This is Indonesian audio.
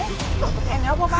ini apa pak